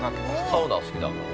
◆サウナ好きだからね。